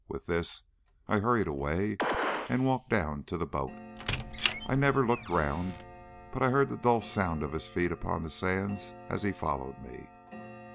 With this I hurried away and walked down to the boat. I never looked round, but I heard the dull sound of his feet upon the sands as he followed me.